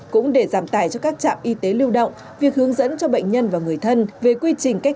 cũng để giảm tài cho các trạm y tế lưu động việc hướng dẫn cho bệnh nhân và người thân về quy trình cách